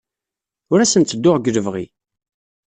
Ur asen-ttedduɣ deg lebɣi.